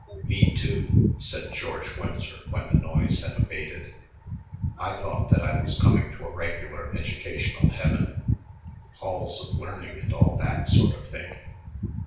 "Me, too," said George Winsor when the noise had abated. "I thought that I was coming to a regular educational heaven, halls of learning and all that sort of thing.